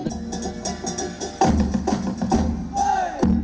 kuntulan yang terinspirasi hadrah selalu berwarna putih berubah menjadi warna warni